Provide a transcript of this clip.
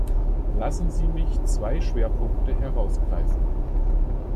Lassen Sie mich zwei Schwerpunkte herausgreifen.